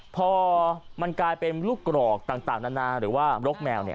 พอมันกลายเป็นลูกกรอกต่างนานาหรือว่ารกแมวเนี่ย